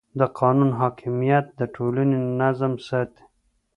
د قانون حاکمیت د ټولنې نظم ساتي.